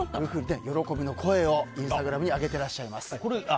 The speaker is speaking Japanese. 喜びの声をインスタグラムに上げておられます。